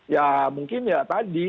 ya mungkin ya tadi